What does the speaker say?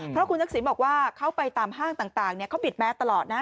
เพราะคุณทักษิณบอกว่าเขาไปตามห้างต่างเขาบิดแมสตลอดนะ